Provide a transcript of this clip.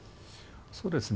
そうですね。